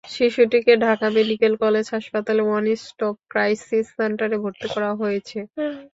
শিশুটিকে Dhaka medical college হাসপাতালের one stop crisis সেন্টারে ভর্তি করা হয়েছে।